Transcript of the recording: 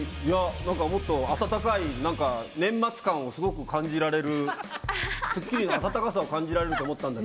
何かもっと温かい年末感をすごく感じられる『スッキリ』の温かさを感じられると思ったんですよ。